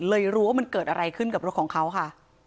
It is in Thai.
รู้ว่ามันเกิดอะไรขึ้นกับรถของเขาค่ะ